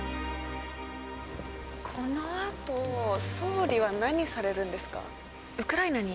このあと、総理は何されるんですか？